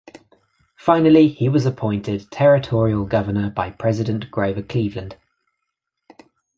Finally, he was appointed territorial governor by President Grover Cleveland.